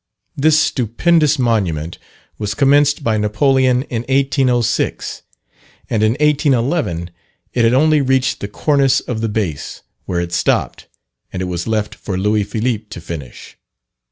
This stupendous monument was commenced by Napoleon in 1806; and in 1811 it had only reached the cornice of the base, where it stopped, and it was left for Louis Philippe to finish.